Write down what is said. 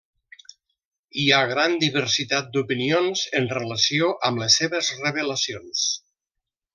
Hi ha gran diversitat d'opinions en relació amb les seves revelacions.